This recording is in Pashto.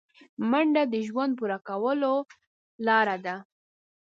منډه د ژوند پوره کولو لاره ده